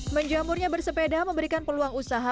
menjamurnya bersepeda memberikan peluang usaha